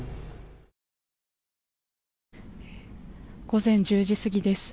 午前１０時過ぎです。